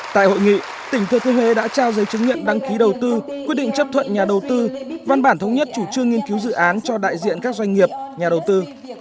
tại hội nghị tỉnh thừa thiên huế đã trao giấy chứng nhận đăng ký đầu tư quyết định chấp thuận nhà đầu tư văn bản thống nhất chủ trương nghiên cứu dự án cho đại diện các doanh nghiệp nhà đầu tư